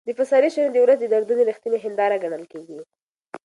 د پسرلي شعرونه د ولس د دردونو رښتینې هنداره ګڼل کېږي.